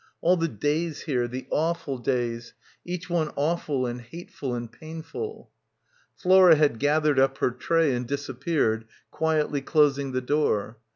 All the days here, the awful days, each one awful and hateful and painful. Flora had gathered up her tray and disappeared, quietly closing the door.